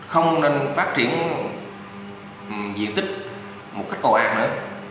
không nên phát triển diện tích một cách ồ ạt nữa